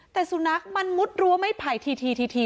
แต่สุนัขมันมุดรั้วไม่ไผ่ที